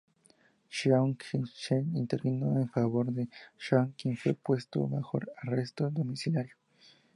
Chiang Kai-shek intervino en favor de Zhang, quien fue puesto bajo arresto domiciliario.